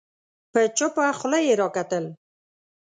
په چوپه خوله يې راکتل